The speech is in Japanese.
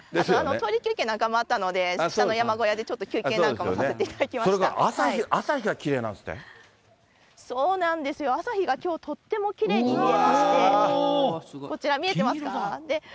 トイレ休憩なんかもあったので、下の山小屋でちょっと休憩なそれから朝日がきれいなんでそうなんですよ、朝日がきょう、とってもきれいに見えまして、こちら見えてますか。